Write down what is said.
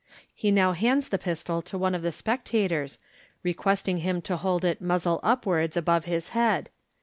He now hands the pistol to one of the spectators, requesting him to hold it muzzle upwards above his head.